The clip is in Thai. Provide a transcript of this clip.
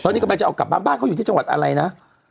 ตอนนี้กำลังจะเอากลับบ้านบ้านเขาอยู่ที่จังหวัดอะไรนะ